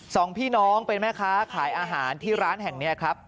สองพี่น้องเป็นแม่ค้าขายอาหารที่ร้านแห่งนี้ครับ